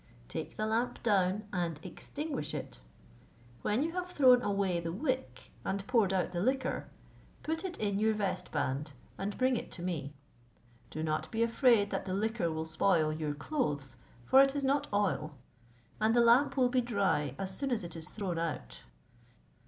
Take the lamp down, and extinguish it: when you have thrown away the wick, and poured out the liquor, put it in your vestband and bring it to me. Do not be afraid that the liquor will spoil your clothes, for it is not oil; and the lamp will be dry as soon as it is thrown out.